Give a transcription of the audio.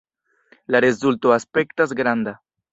La rezulto aspektas granda!